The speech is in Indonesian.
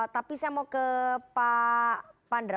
tapi saya mau ke pak pandra